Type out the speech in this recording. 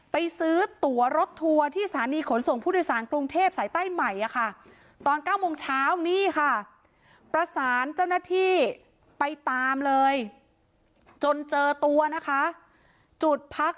ไปซื้อตัวรถทัวร์ที่สถานีขนส่งผู้โดยสารกรุงเทพฯสายใต้ใหม่อ่ะค่ะ